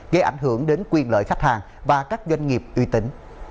gây ảnh hưởng đến quyền lợi khách hàng và các doanh nghiệp uy tín